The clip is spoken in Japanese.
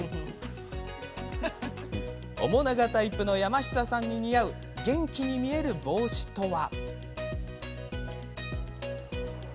面長タイプの山下さんに似合う元気に見える帽子とは。